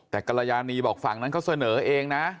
แต่กรยานีบอกฝั่งนั้นเขาเสนอเองนะ